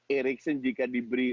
eriksen jika diberi